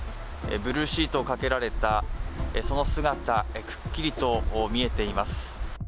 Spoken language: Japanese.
ブルーシートをかけられたその姿、くっきりと見えています。